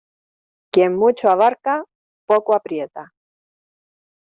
Quien mucho abarca, poco aprieta.